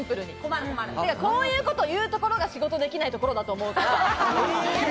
こういうこと言うところが仕事できないところだと思うから。